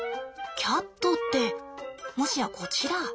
キャットってもしやこちら？